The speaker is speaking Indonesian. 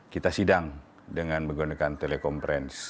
kita sidang dengan menggunakan telekomferensi